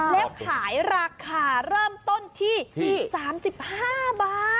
แล้วขายราคาเริ่มต้นที่๓๕บาท